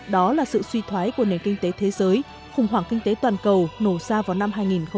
đó là sự suy thoái của nền kinh tế thế giới khủng hoảng kinh tế toàn cầu nổ ra vào năm hai nghìn tám